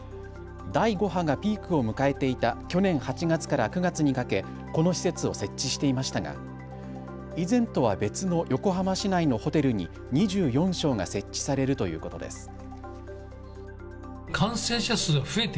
第５波がピークを迎えていた去年８月から９月にかけこの施設を設置していましたが以前とは別の横浜市内のホテルに２４床が設置されるということです。